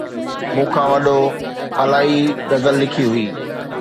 مون کان وڏو! الائي ئي غزل لکي هئي